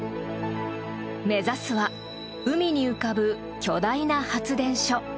目指すは海に浮かぶ巨大な発電所。